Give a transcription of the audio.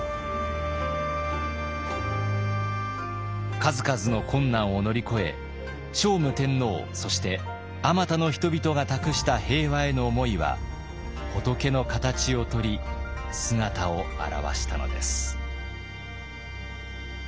数々の困難を乗り越え聖武天皇そしてあまたの人々が託した平和への思いは仏の形をとり姿を現したのです。